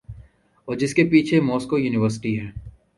اورجس کے پیچھے Moscow university ہے۔